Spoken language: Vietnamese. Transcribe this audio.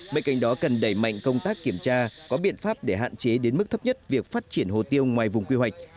bên cạnh đó cần đẩy mạnh công tác kiểm tra có biện pháp để hạn chế đến mức thấp nhất việc phát triển hồ tiêu ngoài vùng quy hoạch